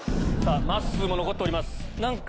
まっすーも残っております。